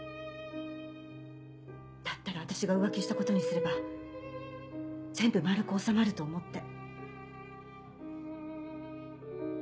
だったら私が浮気したことにすれば全部丸く収まると思って。